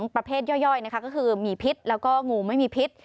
ประเภทย่อยนะคะก็คือมีพิษแล้วก็งูไม่มีพิษ